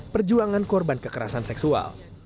perjuangan korban kekerasan seksual